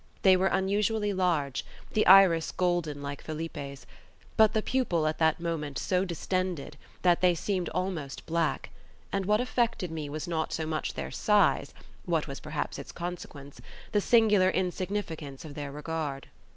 They were unusually large, the iris golden like Felipe's, but the pupil at that moment so distended that they seemed almost black; and what affected me was not so much their size as (what was perhaps its consequence) the singular insignificance of their regard.